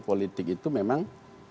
politik itu memang